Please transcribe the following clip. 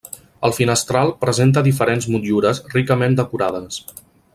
El finestral presenta diferents motllures ricament decorades.